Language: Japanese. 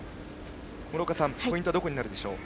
諸岡さん、ポイントはどこになるでしょう。